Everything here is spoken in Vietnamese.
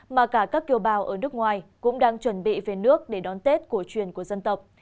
mà cả các kiều bào ở nước ngoài cũng đang chuẩn bị về nước để đón tết cổ truyền của dân tộc